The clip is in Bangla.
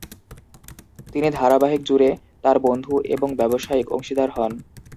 তিনি ধারাবাহিক জুড়ে তার বন্ধু এবং ব্যবসায়িক অংশীদার হন।